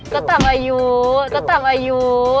ก็ตามอายุ